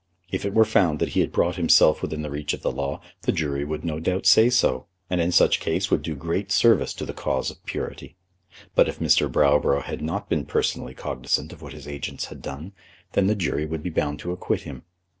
If it were found that he had brought himself within the reach of the law, the jury would no doubt say so, and in such case would do great service to the cause of purity; but if Mr. Browborough had not been personally cognisant of what his agents had done, then the jury would be bound to acquit him.